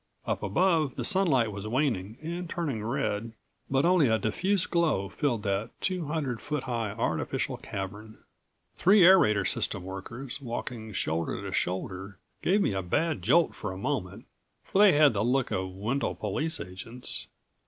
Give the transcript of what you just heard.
Up above the sunlight was waning, and turning red, but only a diffuse glow filled that two hundred foot high artificial cavern. Three aerator system workers, walking shoulder to shoulder, gave me a bad jolt for a moment, for they had the look of Wendel police agents.